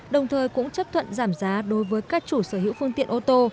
đồng thời cũng chấp thuận giảm giá đối với các chủ sở hữu phương tiện ô tô